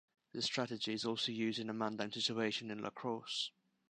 This strategy is also used in a man down situation in lacrosse.